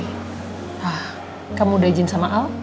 nah kamu udah izin sama al